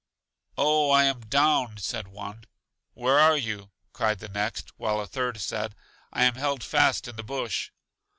Oh, I am down! said one. Where are you? cried the next; while a third said, I am held fast in the bush!